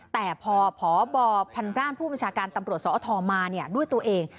แต่พอพบพันร่างผู้บัญชาการตำรวจสอทมาด้วยตัวเอง